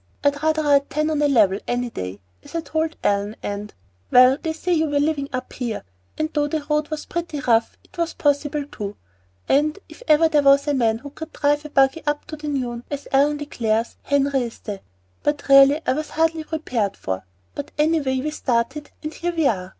I'd rather ride ten on a level, any day, as I told Ellen, and well, they said you were living up here; and though the road was pretty rough, it was possible to And if ever there was a man who could drive a buggy up to the moon, as Ellen declares, Henry is the but really I was hardly prepared for but any way we started, and here we are!